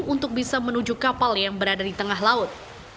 untuk bisa menuju kapal yang berada di tengah laut